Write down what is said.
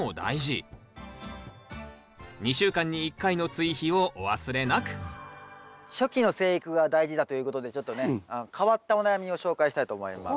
２週間に１回の追肥をお忘れなく初期の生育が大事だということでちょっとね変わったお悩みを紹介したいと思います。